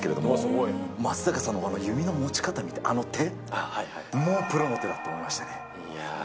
松坂さんのあの弓の持ち方見て、あの手、もうプロの手だと思いやー。